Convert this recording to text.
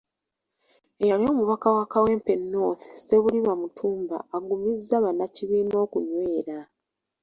Eyali omubaka wa Kawempe North Ssebuliba Mutumba agumizza bannakibiina okunywera.